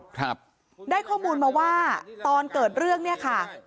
ครับได้ข้อมูลมาว่าตอนเกิดเรื่องเนี่ยค่ะ